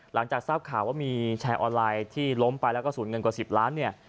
หลังจากทราบข่าวว่ามีแชร์ออนไลน์ที่ล้มไปแล้วก็สูญเงินกว่า๑๐ล้านเนี่ย